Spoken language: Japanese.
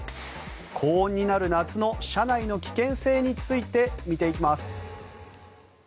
高温になる夏の車内の危険性について見ていきます。